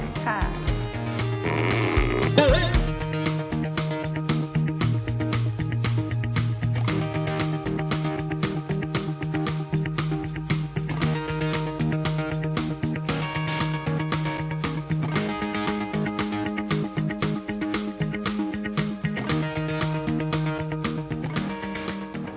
ค่ะ